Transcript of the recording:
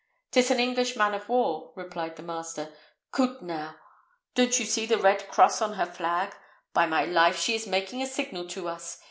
"'Tis an English man of war," replied the master, "Coot now, don't you see the red cross on her flag? By my life, she is making a signal to us!